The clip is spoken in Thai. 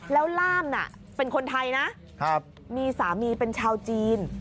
แล้วล่ามเป็นคนไทยนะมีสามีเป็นชาวจีน